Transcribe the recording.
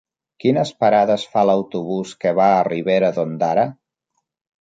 Quines parades fa l'autobús que va a Ribera d'Ondara?